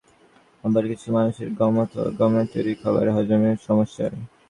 আবার কিছু মানুষের গম অথবা গমের তৈরি খাবার হজমে সমস্যা হয়।